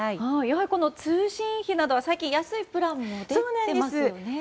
やはり通信費などは最近安いプランなども出ていますよね。